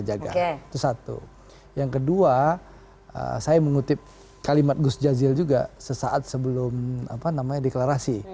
itu satu yang kedua saya mengutip kalimat gus jazil juga sesaat sebelum apa namanya deklarasi